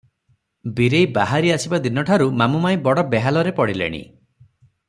ବୀରେଇ ବାହାରି ଆସିବା ଦିନ ଠାରୁ ମାମୁ ମାଇଁ ବଡ ବେହାଲରେ ପଡିଲେଣି ।